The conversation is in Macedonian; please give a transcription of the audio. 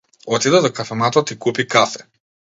Отиде до кафематот и купи кафе.